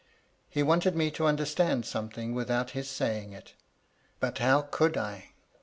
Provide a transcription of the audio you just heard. He wanted me to understand something without his saying it ; but how could I